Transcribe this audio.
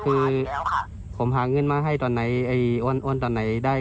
คือผมหาเงินมาให้ตอนไหนไอ้อ้วนตอนไหนได้